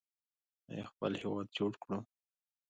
آیا خپل هیواد جوړ کړو؟